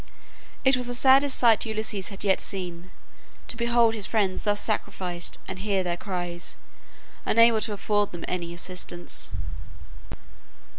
It was the saddest sight Ulysses had yet seen; to behold his friends thus sacrificed and hear their cries, unable to afford them any assistance.